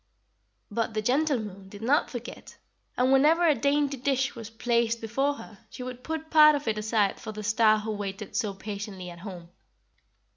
"But the gentle Moon did not forget, and whenever a dainty dish was placed before her she would put part of it aside for the Star who waited so patiently at home.